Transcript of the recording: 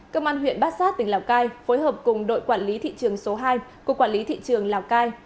cơ quan huyện bát giác tỉnh lào cai phối hợp cùng đội quản lý thị trường số hai của quản lý thị trường lào cai